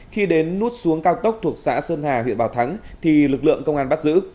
khi đến nút xuống cao tốc thuộc xã sơn hà huyện bảo thắng thì lực lượng công an bắt giữ